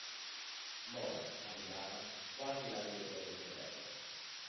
Mona, adirata, quasi la annega in un torrente.